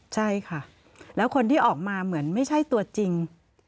ใช่ค่ะแล้วคนที่ออกมาเหมือนไม่ใช่ตัวจริง